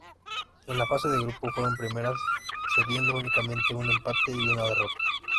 En la fase de grupo fueron primeras, cediendo únicamente un empate y una derrota.